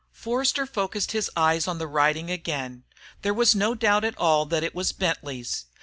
Forster focussed his eyes on the writing again. There was no doubt at all that it was Bentley's.